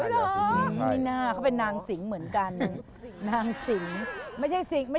โอ้ยเหรอ